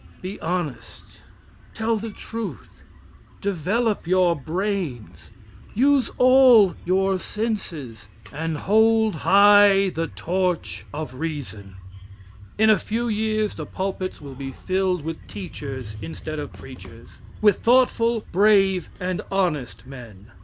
Be honest. Tell the truth, develop your brains, use all your senses and hold high the torch of Reason. In a few years the pulpits will be filled with teachers instead of preachers with thoughtful, brave, and honest men.